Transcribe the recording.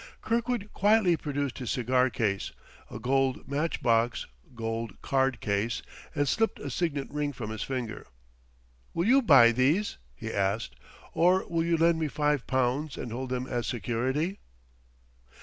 Kirkwood quietly produced his cigar case, a gold match box, gold card case, and slipped a signet ring from his finger. "Will you buy these?" he asked. "Or will you lend me five pounds and hold them as security?"